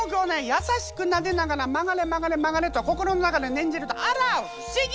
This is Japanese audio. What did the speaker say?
優しくなでながら曲がれ曲がれ曲がれと心の中で念じるとあら不思議！